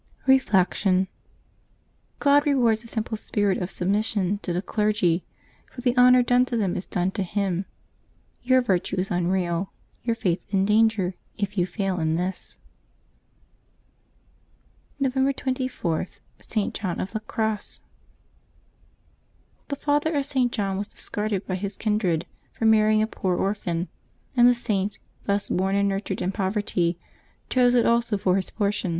Reflection. — God rewards a simple spirit of submission to the clergy, for the honor done to them is done to Him. Your virtue is unreal, your faith in danger, if you fail in this. November 24.— ST. JOHN OF THE CROSS. ^<HE father of St. John was discarded by his kindred Vi^ for marrying a poor orphan, and the Saint, thus born and nurtured in poverty, chose it also for his portion.